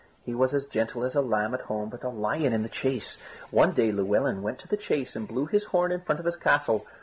He was as gentle as a lamb at home but a lion in the chase. One day Llewelyn went to the chase and blew his horn in front of his castle.